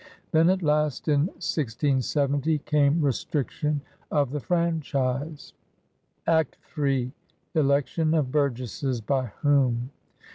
Then at last in 1670 came restriction of the franchise: Act in. Election of Burgesses by whom.